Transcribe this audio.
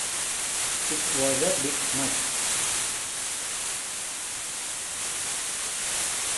It was a bit much.